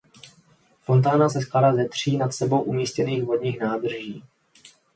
Fontána se skládá ze tří nad sebou umístěných vodních nádrží.